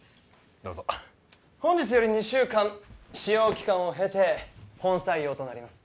どうぞ本日より二週間試用期間をへて本採用となります